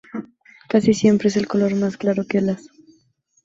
Casi siempre es de color más claro que el haz.